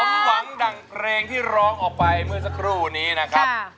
สมหวังดั่งเพลงที่ร้องออกไปเมื่อสักครู่นี้นะครับ